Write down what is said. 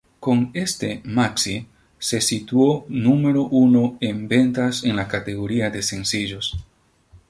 Con este maxi se situó número uno en ventas en la categoría de sencillos.